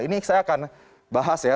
ini saya akan bahas ya